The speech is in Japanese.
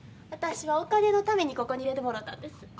私はお金のためにここに入れてもろたんです。